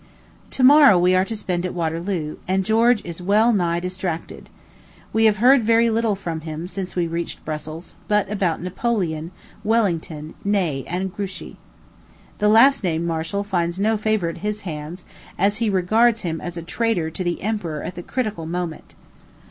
To morrow we are to spend at Waterloo; and George is well nigh distracted. We have heard very little from him, since we reached Brussels, but about Napoleon, Wellington, Ney, and Grouchy. The last named marshal finds no favor at his hands, as he regards him as a traitor to the emperor at the critical moment.